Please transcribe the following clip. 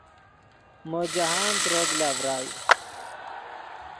مو جاہند تروگ لا ڤرائے